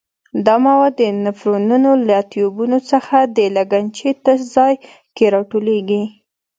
دا مواد د نفرونونو له ټیوبونو څخه د لګنچې تش ځای کې را ټولېږي.